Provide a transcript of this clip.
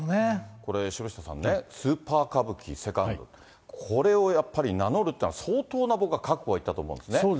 これ城下さんね、スーパー歌舞伎セカンド、これをやっぱり名乗るっていうのは、相当な僕は覚悟がいったと思うんですね。